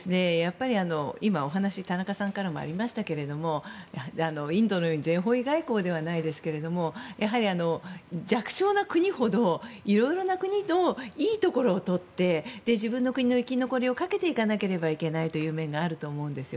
今、田中さんからもお話がありましたがインドのように全方位外交じゃないですがやはり弱小な国ほどいろいろな国のいいところをとって自分の国の生き残りをかけていかなくてはいけない面があると思うんです。